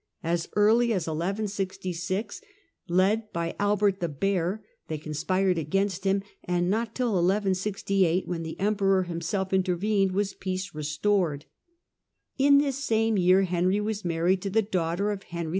As early as 1166, led by Albert the Bear, they conspired against him, and not till 1168, when the Emperor himself intervened, was peace restored. In this same year Henry was married to the daughter of Henry 11.